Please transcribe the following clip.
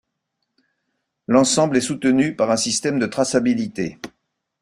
L’ensemble est soutenu par un système de traçabilité.